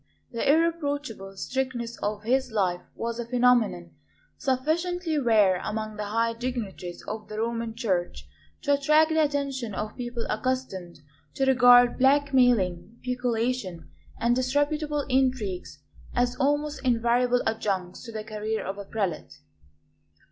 The irreproachable strictness of his life was a phenomenon sufficiently rare among the high dignitaries of the Roman Church to attract the attention of people accustomed to regard blackmailing, peculation, and disreputable intrigues as almost invariable adjuncts to the career of a prelate.